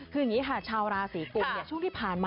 คืออย่างนี้ค่ะชาวราศีกุมช่วงที่ผ่านมา